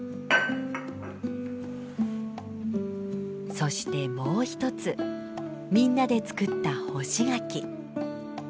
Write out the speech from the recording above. そしてもう一つみんなで作った干し柿。